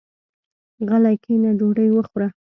غلی کېنه ډوډۍ وخوره.